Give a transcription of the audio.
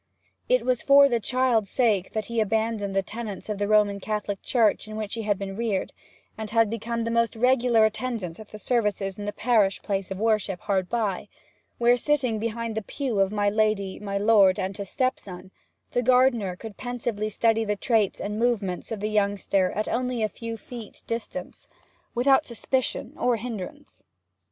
It was for that child's sake that he abandoned the tenets of the Roman Catholic Church in which he had been reared, and became the most regular attendant at the services in the parish place of worship hard by, where, sitting behind the pew of my lady, my lord, and his stepson, the gardener could pensively study the traits and movements of the youngster at only a few feet distance, without suspicion or hindrance.